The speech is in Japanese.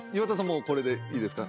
もうこれでいいですか？